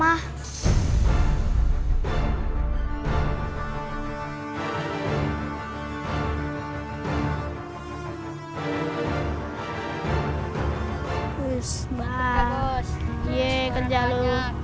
bagus bagus ye kerja lu